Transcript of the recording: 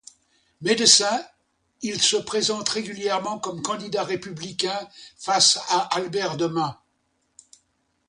Médecin, il se présente régulièrement comme candidat républicain face à Albert de Mun.